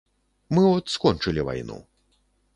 Мы от скончылі вайну.